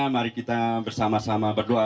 mari kita bersama sama berdoa